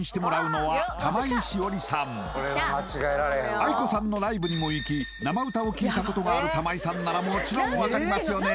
これは間違えられへんわａｉｋｏさんのライブにも行き生歌を聴いたことがある玉井さんならもちろん分かりますよね